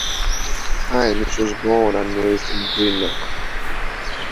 Cairns was born and raised in Greenock.